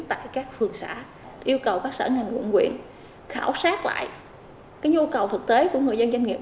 tại các phường xã yêu cầu các sở ngành quận quyện khảo sát lại nhu cầu thực tế của người dân doanh nghiệp